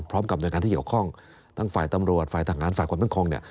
พร้อมกับแรงงานที่เกี่ยวข้องตั้งฝ่ายตำรวจฝ่ายทหารฝ่ายกลุ่มพันธุ์ครอง